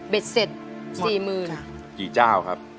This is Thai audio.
เสร็จสี่หมื่นค่ะกี่เจ้าครับ